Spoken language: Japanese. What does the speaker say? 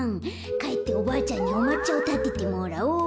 かえっておばあちゃんにおまっちゃをたててもらおっと。